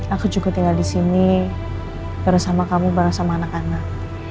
aku juga tinggal di sini bersama kamu bareng sama anak anak